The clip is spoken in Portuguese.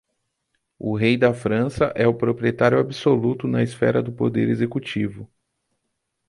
O rei da França é o proprietário absoluto na esfera do poder executivo.